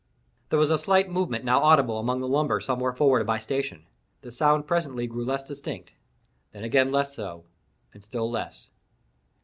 There was a slight movement now audible among the lumber somewhere forward of my station. The sound presently grew less distinct, then again less so, and still less.